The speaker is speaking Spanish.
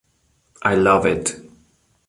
I love it!